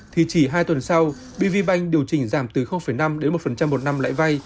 thì chỉ hai tuần sau bidv banh điều chỉnh giảm từ năm đến một năm một năm lãi vai